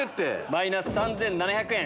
マイナス３７００円。